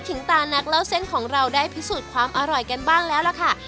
ตานักเล่าเส้นของเราได้พิสูจน์ความอร่อยกันบ้างแล้วล่ะค่ะ